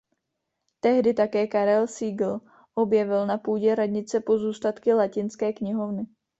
Tehdy také Karel Siegl objevil na půdě radnice pozůstatky latinské knihovny.